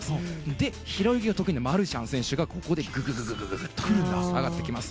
で、平泳ぎが得意なマルシャン選手がここでググっと上がってきます。